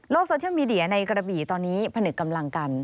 โซเชียลมีเดียในกระบี่ตอนนี้ผนึกกำลังกัน